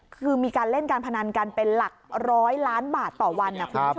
คือมีการเล่นการพนันการเป็นหลักร้อยล้านบาทต่อวัน